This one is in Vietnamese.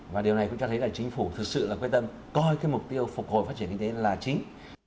và điều này cũng cho thấy là chính phủ thực sự là quyết tâm coi cái mục tiêu phục hồi phát triển kinh tế là chính